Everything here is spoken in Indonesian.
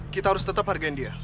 kita harus tetap hargain dia